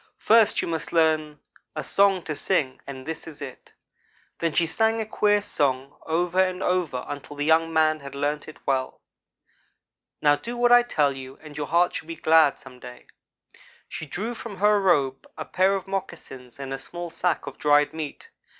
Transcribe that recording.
First you must learn a song to sing, and this is it.' Then she sang a queer song over and over again until the young man had learned it well. "'Now do what I tell you, and your heart shall be glad some day.' She drew from her robe a pair of moccasins and a small sack of dried meat.